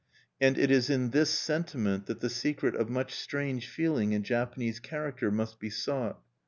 And it is in this sentiment that the secret of much strange feeling in Japanese character must be sought.